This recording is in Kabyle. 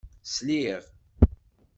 Sliɣ.